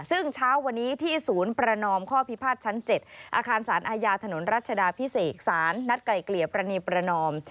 ซึ่งเช้าวันนี้ที่ศูนย์ประนอมข้อพิพาทชั้น๗อาคารสารอาญาถนนรัชดาพิเศษศาลนัดไกลเกลี่ยปรณีประนอม